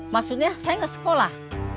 masudnya saya gak sekolah